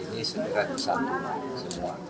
ini sederhana disampingkan semua